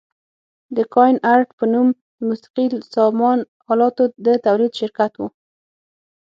د کاین ارټ په نوم د موسقي سامان الاتو د تولید شرکت و.